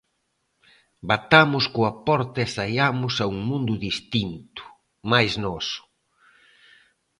Batamos coa porta e saiamos a un mundo distinto, máis noso.